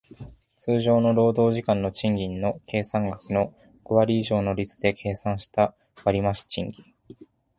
通常の労働時間の賃金の計算額の五割以上の率で計算した割増賃金